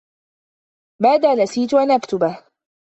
ماذا نسيت أن أكتبه؟